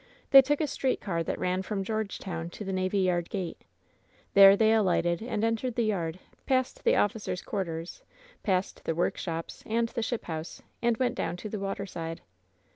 They took a street car that ran from Georgetown to the navy yard gate. There they alighted and entered the yard, passed the oiScers' quarters, passed the workshops and the ship house and went down to the water side.